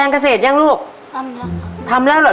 เคยนะครับ